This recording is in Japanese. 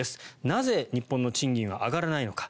なぜ日本の賃金は上がらないのか。